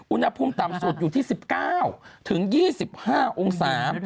อุณหภูมิต่ำสุดอยู่ที่๑๙๒๕องศา